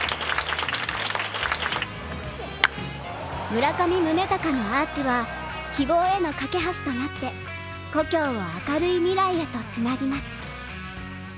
村上宗隆のアーチは、希望への架け橋となって故郷を明るい未来へと繋ぎます。